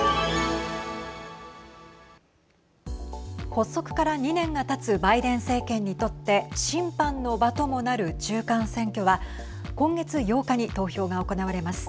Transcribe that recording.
発足から２年がたつバイデン政権にとって審判の場ともなる中間選挙は今月８日に投票が行われます。